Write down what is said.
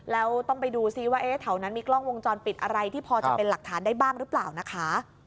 แล้วต้องไปดูซิว่าแถวนั้นมีกล้องวงจรปิดอะไรที่พอจะเป็นหลักฐานได้บ้างหรือเปล่านะคะ